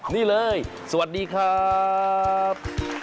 นี่เลยสวัสดีครับ